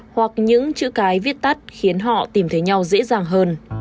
hoặc những chữ cái viết tắt khiến họ tìm thấy nhau dễ dàng hơn